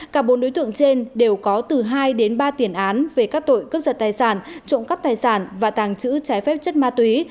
cả bốn đối tượng trên đều có từ hai đến ba tiền án về các tội cướp giật tài sản trộm cắp tài sản và tàng trữ trái phép chất ma túy